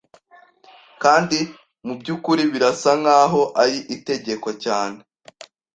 kandi mubyukuri birasa nkaho ari itegeko cyane